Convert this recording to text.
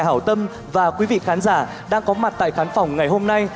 hào tâm và quý vị khán giả đang có mặt tại khán phòng ngày hôm nay